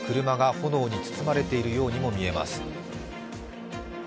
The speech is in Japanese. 車が炎に包まれているようにも見えます。